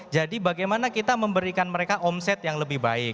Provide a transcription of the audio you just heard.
jadi bagaimana kita memberikan mereka omset yang lebih baik